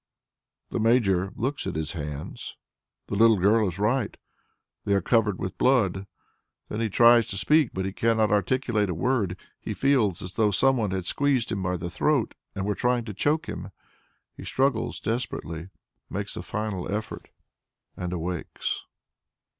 The Major looks at his hands; the little girl is right; they are covered with blood. Then he tries to speak, but he cannot articulate a word; he feels as though some one had seized him by the throat, and were trying to choke him. He struggles desperately, makes a final effort and ... awakes.